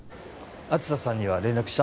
梓さんには連絡した？